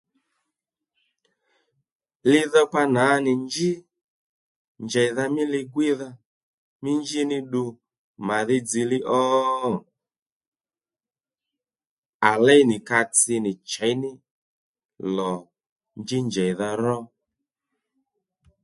Li dhokpa nà nì njí njèydha mí li-gwíydha mí njí ní ddu màdhí dziylíy ó? À léy nì ka tsi nì chěy ní lò njí njèydha ró